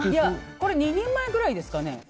これ２人前くらいですかね？